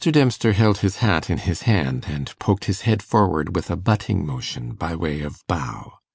Dempster held his hat in his hand, and poked his head forward with a butting motion by way of bow.